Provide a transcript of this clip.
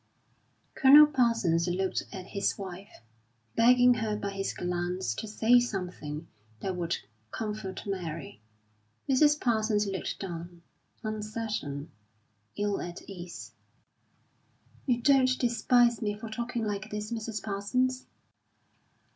Colonel Parsons looked at his wife, begging her by his glance to say something that would comfort Mary. Mrs. Parsons looked down, uncertain, ill at ease. "You don't despise me for talking like this, Mrs. Parsons?"